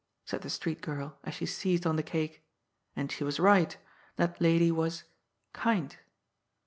said the street girl, as she seized on the cake. And she was right — that lady was « kind."